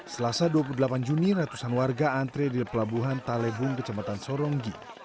selasa dua puluh delapan juni ratusan warga antre di pelabuhan talebung kecamatan soronggi